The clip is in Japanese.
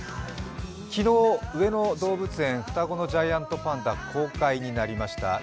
昨日、上野動物園双子のジャイアントパンダ公開になりました。